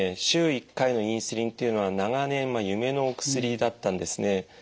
週１回のインスリンというのは長年夢の薬だったんですね。